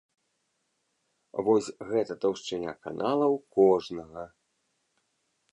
Вось гэта таўшчыня канала ў кожнага!